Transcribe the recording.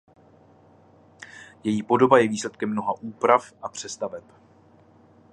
Její podoba je výsledkem mnoha úprav a přestaveb.